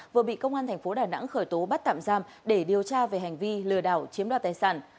vừa bị công an thành phố đà nẵng khởi tố bắt tạm giam để điều tra về hành vi lừa đảo chiếm đoạt tài sản